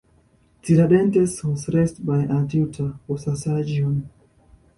Tiradentes was raised by a tutor, who was a surgeon.